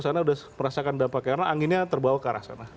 sana sudah merasakan dampak karena anginnya terbawa ke arah sana